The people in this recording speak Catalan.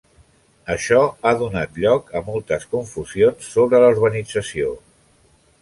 Això ha donat lloc a moltes confusions sobre la urbanització.